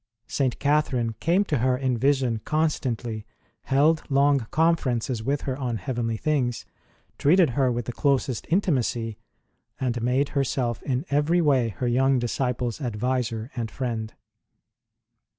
St. Catherine came to her in vision constantly, held long conferences with her on heavenly things, treated her with the closest intimacy, and made herself in every way her young disciple s adviser and, friend.